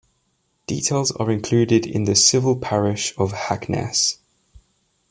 Details are included in the civil parish of Hackness.